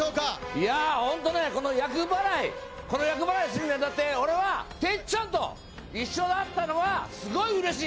いや、本当ね、この厄払い、この厄払いするにあたって、俺は哲ちゃんと一緒だったのはすごいうれしい。